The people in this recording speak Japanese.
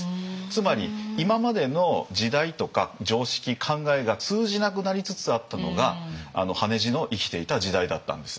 つまり今までの時代とか常識考えが通じなくなりつつあったのが羽地の生きていた時代だったんですね。